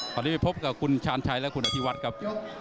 ตอนนี้ไปพบกับคุณชาญชัยและคุณอธิวัฒน์ครับ